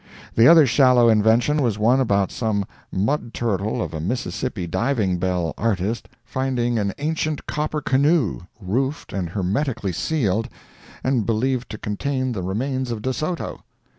The other shallow invention was one about some mud turtle of a Mississippi diving bell artist finding an ancient copper canoe, roofed and hermetically sealed, and believed to contain the remains of De Soto.